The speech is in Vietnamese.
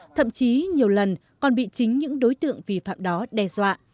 thậm chí nhiều lần còn bị chính những đối tượng vi phạm đó đe dọa